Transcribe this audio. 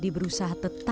dari rag nessa